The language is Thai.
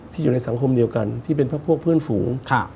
อยู่ในสังคมเดียวกันที่เป็นพวกเพื่อนฝูง